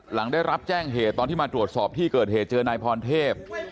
หลังได้รับแจ้งเหตุตอนที่มาตรวจสอบที่เกิดเหตุเจอนายพรเทพ